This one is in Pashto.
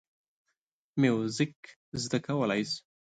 موزیک زده کولی شو.